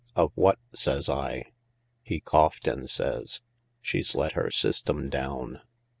"Of what?" says I. He coughed, and says, "She's let her system down!"